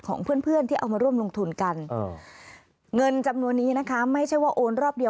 ของเพื่อนเพื่อนที่เอามาร่วมลงทุนกันเงินจำนวนนี้นะคะไม่ใช่ว่าโอนรอบเดียว